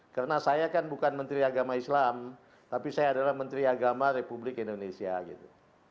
karena saya kan bukan menteri agama islam tapi saya adalah menteri agama republik indonesia gitu